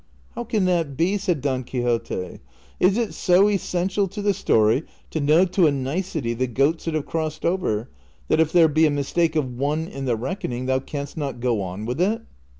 " How can that be ?" said Don Quixote ;" is it so essential to the story to know to a nicety the goats that have crossed over, that if there be a mistake of one in the reckoning, thou canst not go on with it